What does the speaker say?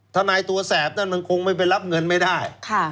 ทนายตัวแสบนั่นมันคงไม่ไปรับเงินไม่ได้